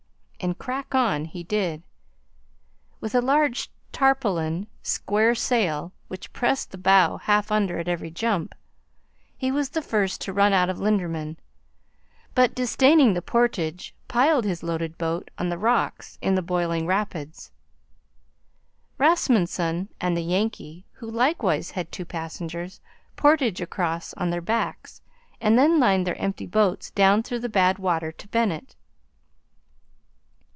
And crack on he did, with a large tarpaulin square sail which pressed the bow half under at every jump. He was the first to run out of Linderman, but, disdaining the portage, piled his loaded boat on the rocks in the boiling rapids. Rasmunsen and the Yankee, who likewise had two passengers, portaged across on their backs and then lined their empty boats down through the bad water to Bennett.